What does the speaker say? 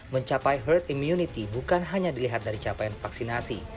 mencapai herd immunity bukan hanya dilihat dari capaian vaksinasi